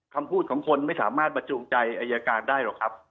คำพูดของคนไม่สามารถมาจูงใจอายการได้หรอกครับ